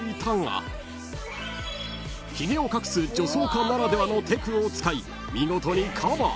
［ひげを隠す女装家ならではのテクを使い見事にカバー］